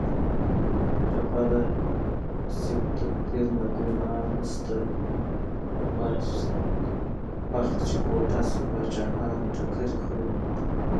ټپه ده: نصیب تقدیر نه ګناه نشته بخت چې کوټه شي بادشاهان ټکرې خورینه